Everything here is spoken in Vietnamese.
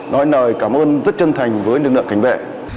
nói lời cảm ơn rất chân thành với lực lượng cảnh vệ